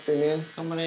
頑張れ。